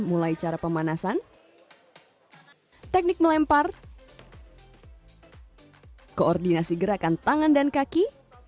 mulai cara pemanasan teknik melempar koordinasi gerakan tangan dan kaki